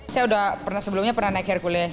saya udah pernah sebelumnya pernah naik hercules